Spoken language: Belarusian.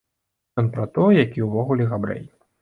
Ён пра тое, які, увогуле, габрэй.